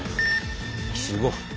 すごっ。